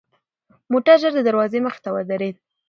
موټر ژر د دروازې مخې ته ودرېد.